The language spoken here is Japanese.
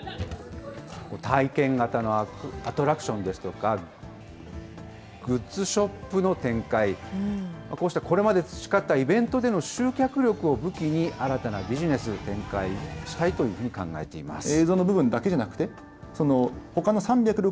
体験型のアトラクションですとか、グッズショップの展開、こうした、これまで培ったイベントでの集客力を武器に、新たなビジネスを展開したいというふうに考えています。